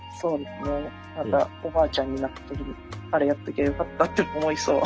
またおばあちゃんになった時にあれやっときゃよかったって思いそう。